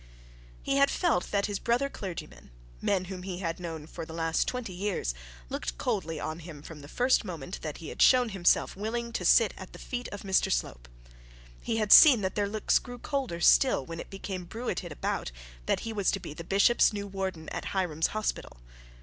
He had felt that his brother clergymen, men whom he had known for the last twenty years, looked coldly on him from the first moment that he had shown himself willing to sit at the feet of Mr Slope; he had seen that their looks grew colder still, when it became bruited about that he was to be the bishop's new warden at Hiram's hospital.